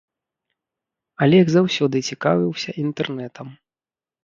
Алег заўсёды цікавіўся інтэрнэтам.